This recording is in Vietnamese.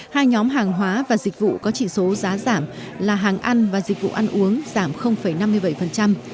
hai nhóm hàng hóa và dịch vụ có chỉ số giá giảm là hàng ăn và dịch vụ ăn uống giảm năm mươi bảy